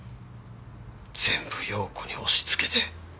全部陽子に押しつけて。